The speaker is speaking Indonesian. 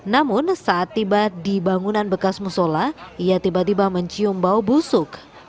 namun saat tiba di bangunan bekas musola ia tiba tiba mencium bau busuk